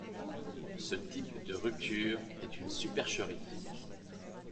Ce type de rupture est une supercherie.